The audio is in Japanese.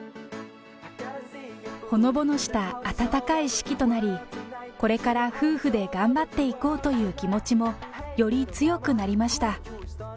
ほのぼのした温かい式となり、これから夫婦で頑張っていこうという気持ちもより強くなりました。